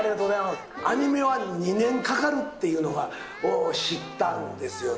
アニメは２年かかるっていうのが、知ったんですよね。